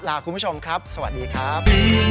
ลาคุณผู้ชมครับสวัสดีครับ